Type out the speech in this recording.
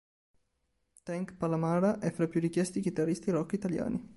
Tank Palamara è fra i più richiesti chitarristi rock italiani.